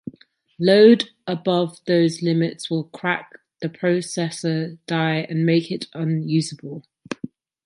Load above those limits will crack the processor die and make it unusable.